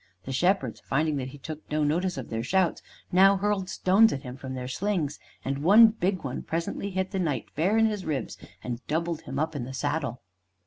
The shepherds, finding that he took no notice of their shouts, now hurled stones at him from their slings, and one big stone presently hit the Knight fair in his ribs and doubled him up in the saddle.